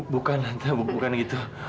bukan tante bukan gitu